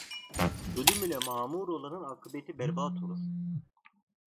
Zulüm ile mâmur olanın akıbeti berbat olur.